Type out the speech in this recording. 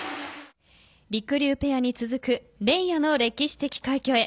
りくりゅうペアに続く連夜の歴史的快挙へ。